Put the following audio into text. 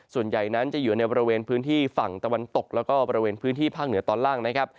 ส่วนใหญ่นั้นจะอยู่ในบริเวณพื้นที่ฝั่งตะวันตกแล้วก็บริเวณพื้นที่ภาคเหนือตอนล่างนะครับ